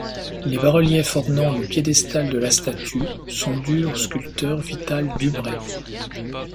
Les bas-reliefs ornant le piédestal de la statue sont dus au sculpteur Vital Dubray.